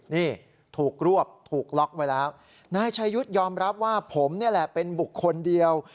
นี่ถูกรวบถูกล็อกไว้แล้วนายชายุทธ์ยอมรับว่าผมนี่แหละเป็นบุคคลเดียว